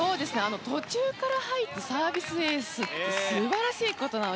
途中から入ってサービスエースは素晴らしいことです。